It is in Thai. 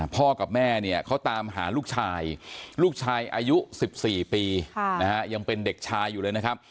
พ่อกับแม่เนี่ยเขาตามหาลูกชายลูกชายอายุ๑๔ปียังเป็นเด็กชายอยู่เลยนะครับ